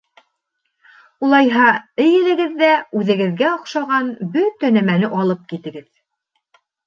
Улайһа, эйелегеҙ ҙә үҙегеҙгә оҡшаған бөтә нәмәне алып китегеҙ.